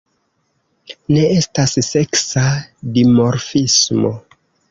Ne estas seksa dimorfismo.